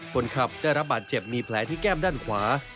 คนขับได้รับบาดเจ็บมีแผลที่แก้มด้านขวา